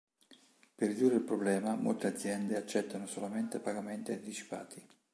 Per ridurre il problema molte aziende accettano solamente pagamenti anticipati.